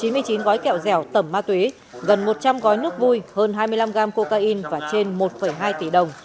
ma túy gần một trăm linh gói nước vui hơn hai mươi năm gam cocaine và trên một hai tỷ đồng